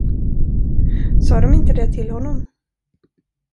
Sa de inte det till honom?